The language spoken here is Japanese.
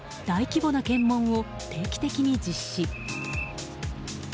大規模な検問を定期的に実施。